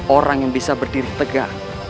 orang yang bisa berdiri tegak